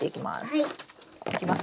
はい。